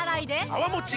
泡もち